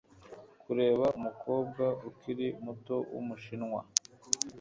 kureba umukobwa ukiri muto wumushinwa